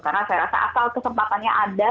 karena saya rasa asal kesempatannya ada